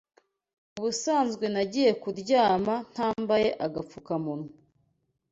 Ubusanzwe nagiye kuryama ntambaye agapfukamunwa